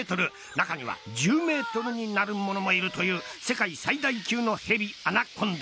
中には１０ｍになるものもいるという世界最大級の蛇・アナコンダ。